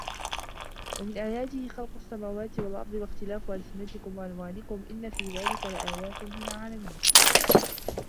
وَمِن آياتِهِ خَلقُ السَّماواتِ وَالأَرضِ وَاختِلافُ أَلسِنَتِكُم وَأَلوانِكُم إِنَّ في ذلِكَ لَآياتٍ لِلعالِمينَ